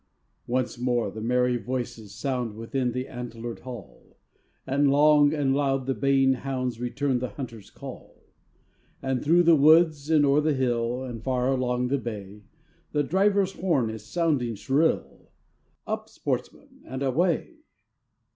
Once more the merry voices sound Within the antlered hall, And long and loud the baying hounds Return the hunter's call; And through the woods, and o'er the hill, And far along the bay, The driver's horn is sounding shrill, Up, sportsmen, and away!